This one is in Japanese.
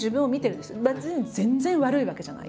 別に全然悪いわけじゃない。